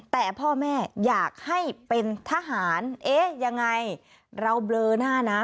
แต่พ่อแม่อยากให้เป็นทหารเอ๊ะยังไงเราเบลอหน้านะ